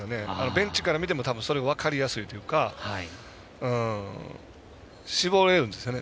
ベンチから見てもそれが分かりやすいというか絞れるんですよね